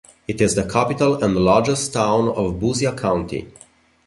It is the capital and largest town of Busia County.